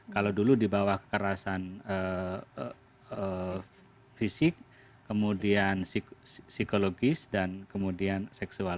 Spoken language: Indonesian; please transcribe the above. kalau dulu di bawah kekerasan fisik kemudian psikologis dan kemudian seksual